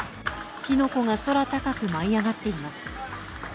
火の粉が空高く舞い上がっています。